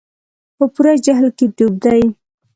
په پوره جهل کې ډوب دي.